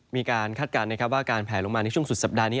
มีการคาดการณ์ว่าการแผลลงมาในช่วงสุดสัปดาห์นี้